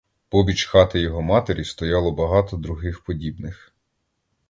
Побіч хати його матері стояло багато других, подібних.